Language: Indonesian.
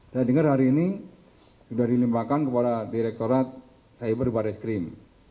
saya dengar hari ini sudah dilimpahkan kepada direkturat cyber barreskrim